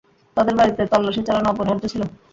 তাদের বাড়িতে তল্লাশি চালানো অপরিহার্য ছিল।